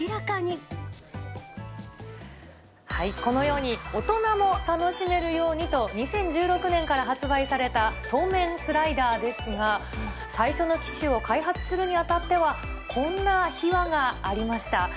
このように、大人も楽しめるようにと、２０１６年から発売された、そうめんスライダーですが、最初の機種を開発するにあたっては、こんな秘話がありました。